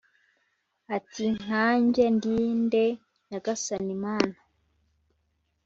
ati “Nkanjye ndi nde Nyagasani Mana